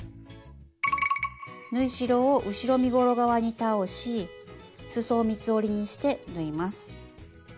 縫い代を後ろ身ごろ側に倒しすそを三つ折りにして縫います。